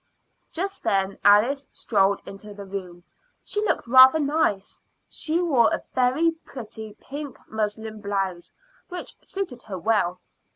Just then Alice strolled into the room. She looked rather nice; she wore a very pretty pink muslin blouse, which suited her well.